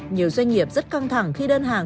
nhiều doanh nghiệp rất căng thẳng khi đơn hàng